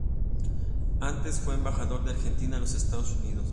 Antes, fue embajador de Argentina en los Estados Unidos.